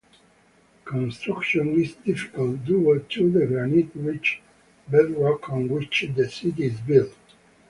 Construction is difficult due to the granite-rich bedrock on which the city is built.